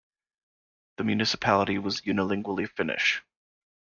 The municipality was unilingually Finnish.